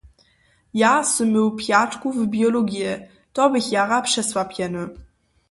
Ja sym měł pjatku w biologiji, to běch jara přesłapjeny.